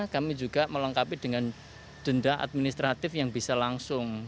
kami juga melengkapi dengan denda administratif yang bisa langsung